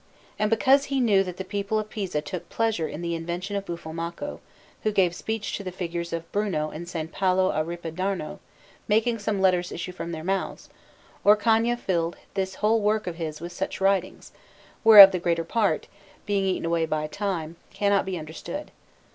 And because he knew that the people of Pisa took pleasure in the invention of Buffalmacco, who gave speech to the figures of Bruno in S. Paolo a Ripa d'Arno, making some letters issue from their mouths, Orcagna filled this whole work of his with such writings, whereof the greater part, being eaten away by time, cannot be understood.